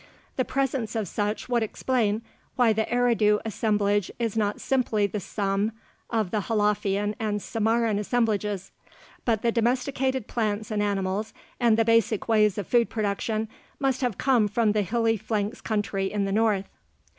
The presence of such would explain why the Eridu assemblage is not simply the sum of the Halafian and Samarran assemblages. But the domesticated plants and animals and the basic ways of food production must have come from the hilly flanks country in the north.